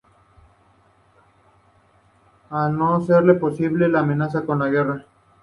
Al no serle posible amenaza con la guerra.